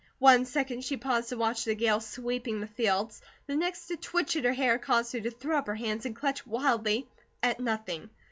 One second she paused to watch the gale sweeping the fields, the next a twitch at her hair caused her to throw up her hands and clutch wildly at nothing.